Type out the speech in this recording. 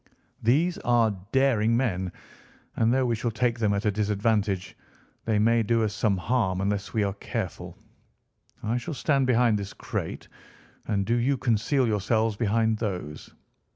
These are daring men, and though we shall take them at a disadvantage, they may do us some harm unless we are careful. I shall stand behind this crate, and do you conceal yourselves behind those.